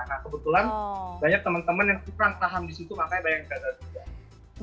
nah kebetulan banyak teman teman yang kurang paham disitu makanya banyak yang berpikir